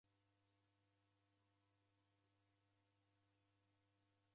Diw'ose difwaa